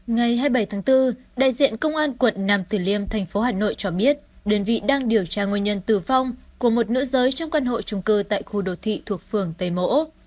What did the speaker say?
ngày hai mươi bảy tháng bốn đại diện công an quận nam tử liêm thành phố hà nội cho biết đơn vị đang điều tra nguyên nhân tử vong của một nữ giới trong căn hộ trung cư tại khu đồ thị thuộc phường tây mỗ